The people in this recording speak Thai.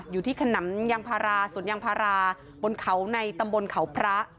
อยู่ที่ขนำยังพาราสุนยังพาราบนเขาในตำบลเขาพระ